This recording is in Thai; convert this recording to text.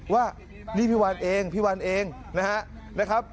ว่านี่พี่วันเองพี่วันเองนะครับ